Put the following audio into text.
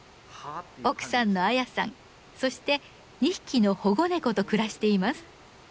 奥さんの彩さんそして２匹の保護猫と暮らしています。